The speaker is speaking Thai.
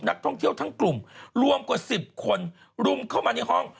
นักท่องเที่ยวทั้งกลุ่มรวมกว่า๑๐คนรุมเข้ามาในห้อง